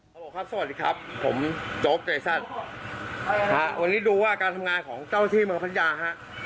สวัสดีครับผมจบเจ๊ศัดอ่าวันนี้ดูว่าการทำงานของเจ้าที่เมืองพัตย่าฮะ